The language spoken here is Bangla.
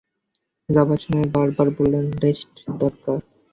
যাবার সময় বারবার বললেন, রেষ্ট দরকার।